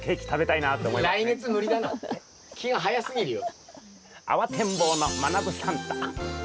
気が早すぎるよ。